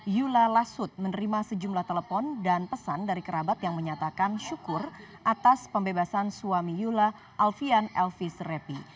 yula lasut menerima sejumlah telepon dan pesan dari kerabat yang menyatakan syukur atas pembebasan suami yula alfian elvis repi